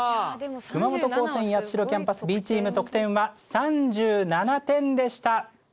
熊本高専八代キャンパスＢチーム得点は３７点でした！